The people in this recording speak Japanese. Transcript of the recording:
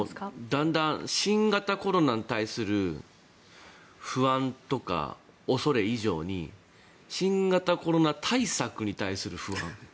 だんだん新型コロナに対する不安とか恐れ以上に新型コロナ対策に対する不安。